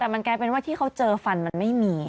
แต่มันกลายเป็นว่าที่เขาเจอฟันมันไม่มี